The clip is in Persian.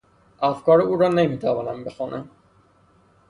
افکار او را نمی توانم بخوانم.